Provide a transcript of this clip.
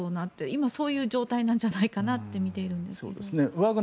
今、そういう状態じゃないかと見ているんですが。